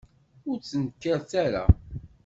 Ur ttnekkaret ara.